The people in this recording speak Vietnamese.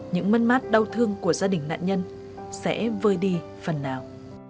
những mất mát đau thương của gia đình nạn nhân sẽ vơi đi phần nào